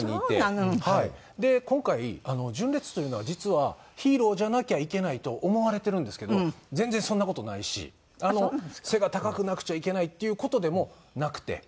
で今回純烈というのは実はヒーローじゃなきゃいけないと思われてるんですけど全然そんな事ないし背が高くなくちゃいけないっていう事でもなくて。